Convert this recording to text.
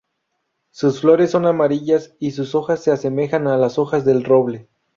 Sus flores son amarillas y sus hojas se asemejan a las hojas del roble.